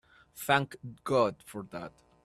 Thank God for that!